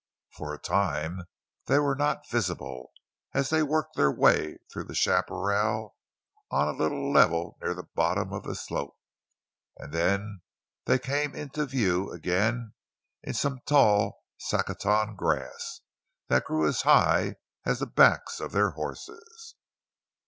For a time they were not visible, as they worked their way through the chaparral on a little level near the bottom of the slope; and then they came into view again in some tall saccaton grass that grew as high as the backs of their horses.